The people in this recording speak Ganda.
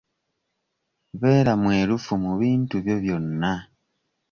Beera mwerufu mu bintu byo byonna.